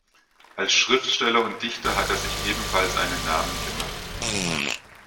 Als Schriftsteller und Dichter hat er sich ebenfalls einen Namen gemacht.